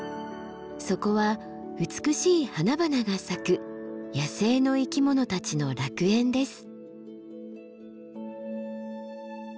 そこは美しい花々が咲く野生の生き物たちの楽園です。